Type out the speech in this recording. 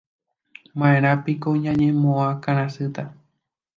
Ma'erãpiko ñañemoakãrasýta